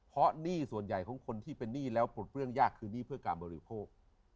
เพราะหนี้ส่วนใหญ่ของคนที่เป็นหนี้แล้วปลดเปลื้องยากคือหนี้เพื่อการบริโภค